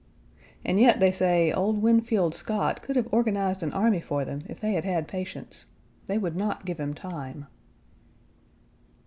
And yet they say, old Winfield Scott could have organized an army for them if they had had patience. They would not give him time.